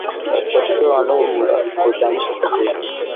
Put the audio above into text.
Katika tukio maalum kuadhimisha siku hiyo